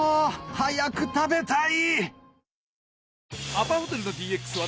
早く食べたい！